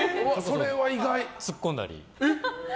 ツッコんだり。